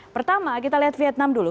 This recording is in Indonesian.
pertama kita lihat vietnam dulu